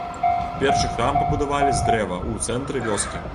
Першы храм пабудавалі з дрэва ў цэнтры вёскі.